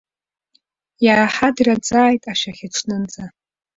Иааҳадраӡааит ашәахьаҽнынӡа.